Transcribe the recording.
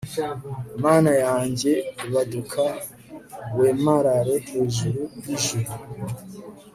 mana yanjye, baduka wemarare hejuru y'ijuru